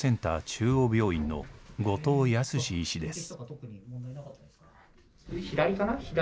中央病院の後藤悌医師です。